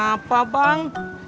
enggak kenapa kenapa bang